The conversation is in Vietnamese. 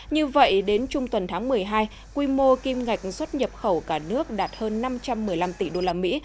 như vậy đến trung tuần tháng một mươi hai quy mô kim ngạch xuất nhập khẩu cả nước đạt hơn năm trăm một mươi năm tỷ đô la mỹ